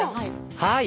はい！